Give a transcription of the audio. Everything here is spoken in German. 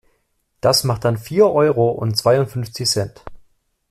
Das macht dann vier Euro und zweiundfünfzig Cent.